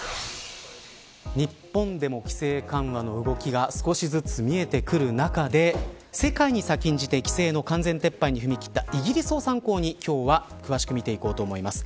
日本でも、規制緩和の動きが少しずつ見えてくる中で世界に先んじて規制の完全撤廃に踏み切ったイギリスを参考に、今日は詳しく見ていこうと思います。